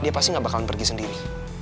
dia pasti gak bakalan pergi sendiri